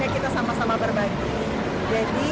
jadi penyok bersyukurlah udah main disini